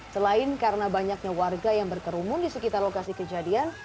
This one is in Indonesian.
selain karena banyaknya warga yang berkerumun di sekitar lokasi kejadian